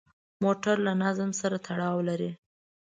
موټر له نظم سره تړاو لري.